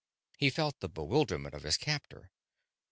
He felt the bewilderment of his captor.